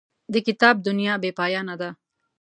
د کتاب دنیا بې پایانه ده.